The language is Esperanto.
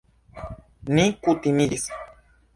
Ni kutimiĝis!